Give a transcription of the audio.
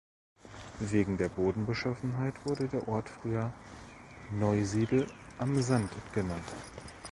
Wegen der Bodenbeschaffenheit wurde der Ort früher „Neusiedl am Sand“ genannt.